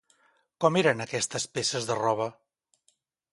Com eren aquestes peces de roba?